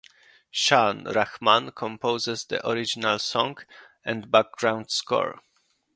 Shaan Rahman composes the original songs and background score.